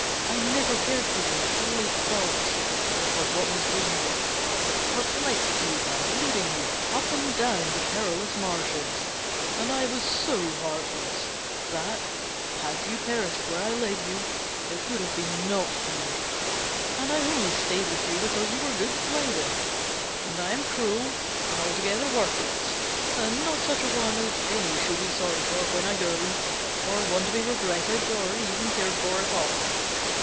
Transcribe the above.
I never cared for your great thoughts, or for what was good in you, but perplexed you by leading you up and down the perilous marshes. And I was so heartless that, had you perished where I led you, it would have been nought to me, and I only stayed with you because you were good to play with. 'And I am cruel and altogether worthless and not such a one as any should be sorry for when I go, or one to be regretted, or even cared for at all.'